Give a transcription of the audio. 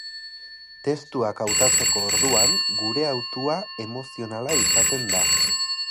Testuak hautatzeko orduan, gure hautua emozionala izaten da.